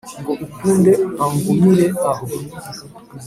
Ngo akunde angumire aho